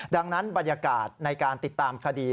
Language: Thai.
ดังนั้นบรรยากาศในการติดตามคดี